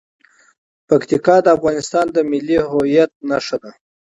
پکتیکا د افغانستان د ملي هویت نښه ده.